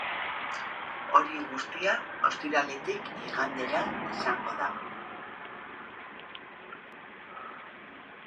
Hori guztia ostiraletik igandera izango da.